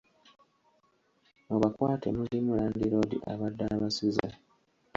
Mu bakwate mulimu; Landiroodi abadde abasuza.